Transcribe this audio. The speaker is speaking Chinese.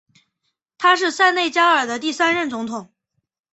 他是塞内加尔的第三任总统。